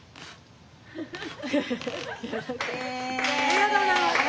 ありがとうございます。